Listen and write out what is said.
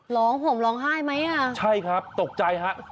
ห่มร้องไห้ไหมอ่ะใช่ครับตกใจฮะ